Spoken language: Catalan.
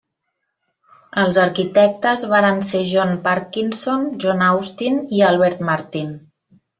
Els arquitectes varen ser John Parkinson, John Austin i Albert Martin.